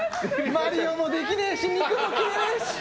「マリオ」もできねえし肉も切れねえし。